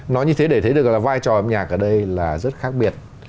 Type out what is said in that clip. nói như thế để thấy được là vai trò âm nhạc ở đây là rất khác biệt